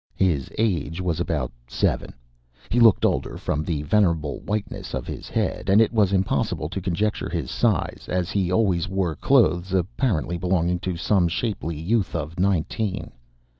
His age was about seven. He looked older from the venerable whiteness of his head, and it was impossible to conjecture his size, as he always wore clothes apparently belonging to some shapely youth of nineteen.